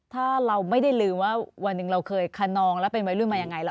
ถ้าเราไม่ได้ลืมว่าวันหนึ่งเราเคยคนนองแล้วเป็นวัยรุ่นมายังไง